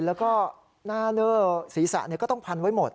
แล้วก็หน้าเลอร์ศีรษะก็ต้องพันไว้หมด